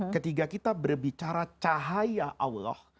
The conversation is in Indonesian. ketika kita berbicara cahaya allah